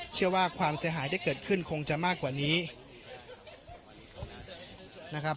ความเสียหายที่เกิดขึ้นคงจะมากกว่านี้นะครับ